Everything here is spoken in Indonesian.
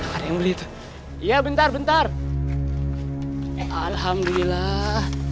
ada yang beli itu ya bentar bentar alhamdulillah